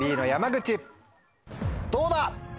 どうだ